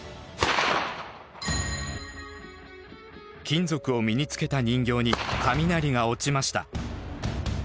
金属を身につけた人形に雷が落ちました。